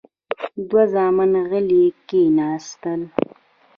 دوه زامن غلي کېناستل.